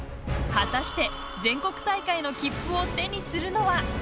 果たして、全国大会の切符を手にするのは。